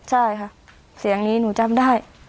ใช่ค่ะเสียงนี้หนูจำได้